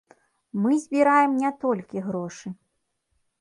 Мы збіраем не толькі грошы.